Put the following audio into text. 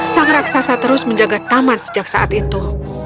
sang raksasa terus menjaga taman sejak saat itu